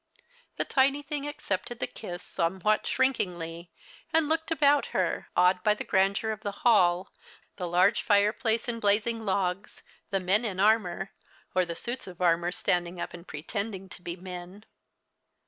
The tiny thing accepted the kiss somewhat shrinkingly, and looked about her, awed by the grandeur of the hall, the large fireplace and blazing logs, the men in armom , or the suits of armour standing up and pretending to be men.